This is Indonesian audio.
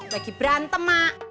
lagi berantem mak